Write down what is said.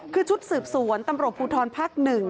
คือชุดสืบสวนตำรวจภูทรภาค๑